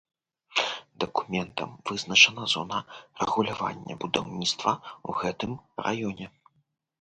Дакументам вызначана зона рэгулявання будаўніцтва ў гэтым раёне.